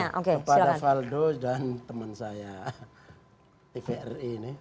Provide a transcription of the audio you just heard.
nah kepada valdo dan teman saya tvri ini